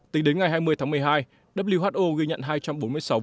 tính đến ngày hai mươi tháng một mươi hai who ghi nhận hai trăm bốn mươi sáu vụ tàn phá